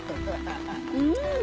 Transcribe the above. うん！